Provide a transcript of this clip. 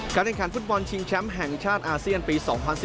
แห่งขันฟุตบอลชิงแชมป์แห่งชาติอาเซียนปี๒๐๑๙